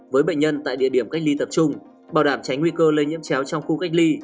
với bệnh nhân tại địa điểm cách ly tập trung bảo đảm tránh nguy cơ lây nhiễm chéo trong khu cách ly